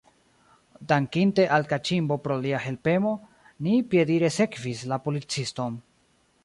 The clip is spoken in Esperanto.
Dankinte al Kaĉimbo pro lia helpemo, ni piedire sekvis la policiston.